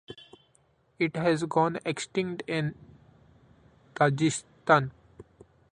It has gone extinct in Tajikistan.